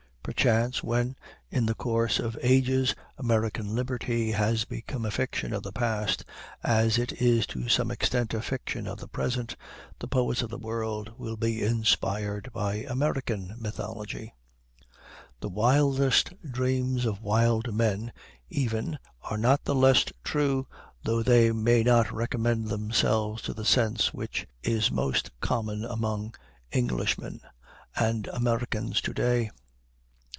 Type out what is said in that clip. Perchance, when, in the course of ages, American liberty has become a fiction of the past, as it is to some extent a fiction of the present, the poets of the world will be inspired by American mythology. The wildest dreams of wild men, even, are not the less true, though they may not recommend themselves to the sense which is most common among Englishmen and Americans to day.